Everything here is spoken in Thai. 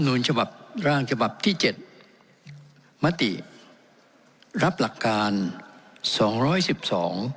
นูลฉบับร่างฉบับที่เจ็ดมติรับหลักการสองร้อยสิบสอง